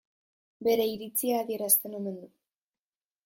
Bere iritzia adierazten omen du.